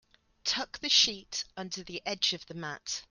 Tuck the sheet under the edge of the mat.